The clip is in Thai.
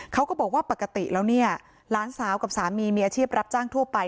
เขาก็บอกว่าปกติแล้วเนี่ยหลานสาวกับสามีมีอาชีพรับจ้างทั่วไป